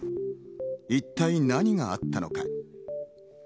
一体何があったのか。